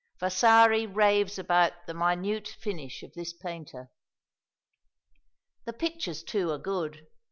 Vasari raves about the minute finish of this painter. The pictures, too, are good.